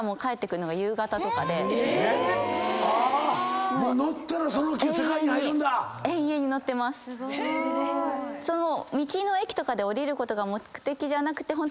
道の駅とかで降りることが目的じゃなくてホントに。